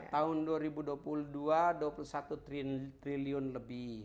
tahun dua ribu dua puluh dua dua puluh satu triliun lebih